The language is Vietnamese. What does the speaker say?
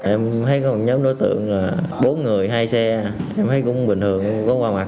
em thấy có một nhóm đối tượng là bốn người hai xe em thấy cũng bình thường có qua mặt